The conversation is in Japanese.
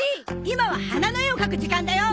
今は花の絵を描く時間だよ！